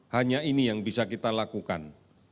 hanya ini yang bisa kita lakukan